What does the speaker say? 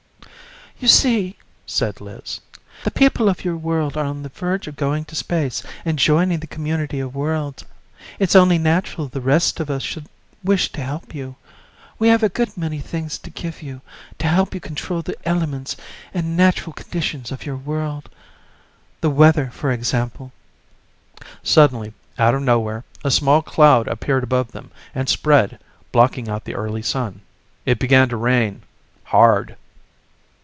"You see," said Liz, "the people of your world are on the verge of going to space and joining the community of worlds. It's only natural the rest of us should wish to help you. We have a good many things to give you, to help you control the elements and natural conditions of your world. The weather, for example ..." Suddenly, out of nowhere, a small cloud appeared above them and spread, blocking out the early sun. It began to rain, hard.